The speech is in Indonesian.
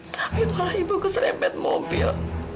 tapi malah ibu keserempet mobil